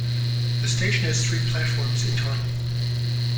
The station has three platforms in total.